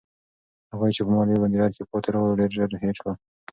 هغوی چې په مالي مدیریت کې پاتې راغلل، ډېر ژر هېر شول.